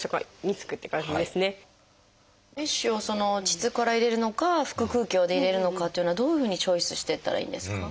メッシュを腟から入れるのか腹くう鏡で入れるのかというのはどういうふうにチョイスしていったらいいんですか？